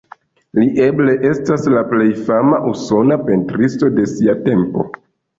Li eble estas la plej fama usona pentristo de sia tempo.